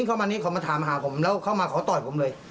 เขามาถามมาผมงั้นเขาตอบผมเลย